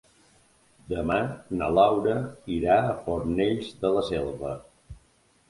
Demà na Laura irà a Fornells de la Selva.